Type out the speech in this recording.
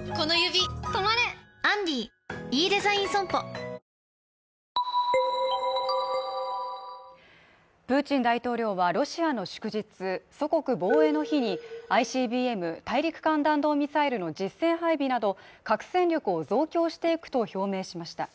モニタリングにプーチン大統領はロシアの祝日、祖国防衛の日にＩＣＢＭ＝大陸間弾道ミサイルの実戦配備など核戦力を増強していくと表明しました。